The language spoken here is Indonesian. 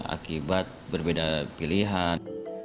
akibat berbeda pilihan